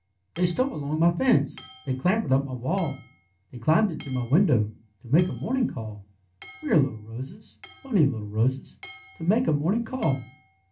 They stole along my fence; They clambered up my wall; They climbed into my window To make a morning call! Queer little roses, Funny little roses, To make a morning call